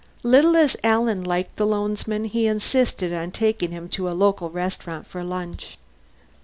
Little as Alan liked the loansman, he insisted on taking him to a local restaurant for lunch.